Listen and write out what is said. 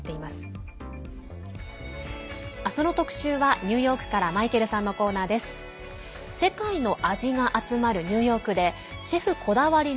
あすの特集はニューヨークからマイケルさんのコーナーです。